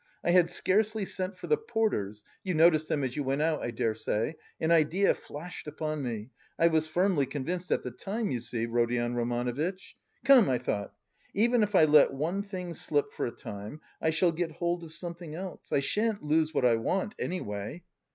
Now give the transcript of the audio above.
I had scarcely sent for the porters (you noticed them as you went out, I dare say). An idea flashed upon me; I was firmly convinced at the time, you see, Rodion Romanovitch. Come, I thought even if I let one thing slip for a time, I shall get hold of something else I shan't lose what I want, anyway.